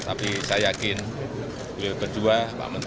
tapi saya yakin beliau berdua